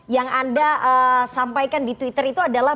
yang anda sampaikan di twitter itu adalah